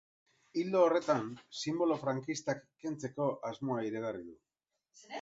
Ildo horretan, sinbolo frankistak kentzeko asmoa iragarri du.